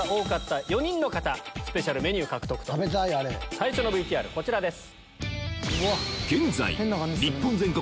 最初のＶＴＲこちらです。